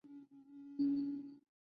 清朝嘉庆帝之嫔。